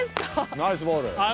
ナイスボールああ